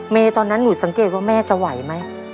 ตอนนั้นหนูสังเกตว่าแม่จะไหวไหม